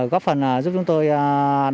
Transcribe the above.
góp phần giúp chúng tôi tạm bỡ